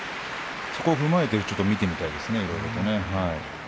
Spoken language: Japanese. そこを踏まえて見てみたいですね、いろいろとね。